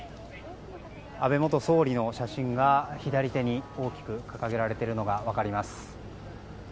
安倍元総理の写真が左手に大きく掲げられているのが分かります。